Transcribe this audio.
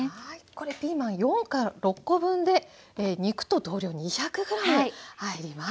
これピーマン４から６コ分で肉と同量２００ｇ入ります。